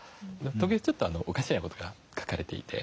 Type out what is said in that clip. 時々ちょっとおかしな事が書かれていて。